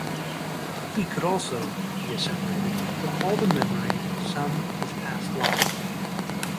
He could also, he asseverated, recall the memory of some of his past lives.